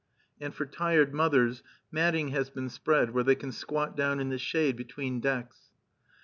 _" And for tired mothers, matting has been spread, where they can squat down in the shade between decks.